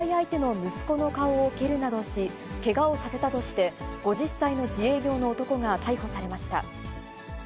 福岡県苅田町で、交際相手の息子の顔を蹴るなどし、けがをさせたとして、５０歳の自営業の男が逮捕されました。